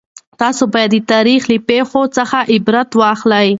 تاسو باید د تاریخ له پېښو څخه عبرت واخلئ.